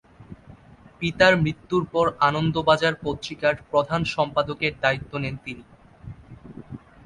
পিতার মৃত্যুর পর আনন্দবাজার পত্রিকার প্রধান সম্পাদকের দায়িত্ব নেন তিনি।